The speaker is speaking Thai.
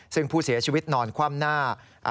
ซึ่งผู้เสียชีวิตนอนคว่ำหน้า